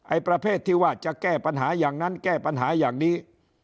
ประเภทที่ว่าจะแก้ปัญหาอย่างนั้นแก้ปัญหาอย่างนี้